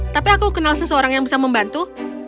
tapi aku kenal seseorang yang bisa membantu